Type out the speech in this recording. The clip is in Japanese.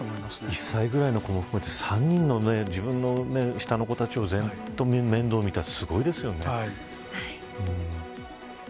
１歳ぐらいの子どもも含めて３人の自分の下の子たちの面倒をずっと見たのすごいですよね。